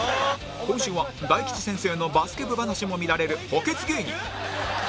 今週は大吉先生のバスケ部話も見られる補欠芸人